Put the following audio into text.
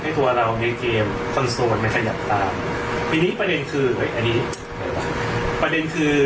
ตัวเราในเกมคอนโซนไปขยับตามทีนี้ประเด็นคืออันนี้ประเด็นคือ